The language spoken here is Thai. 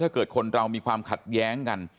ถ้าเกิดคนเรามีความขัดแย้งกัน